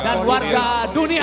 dan warga dunia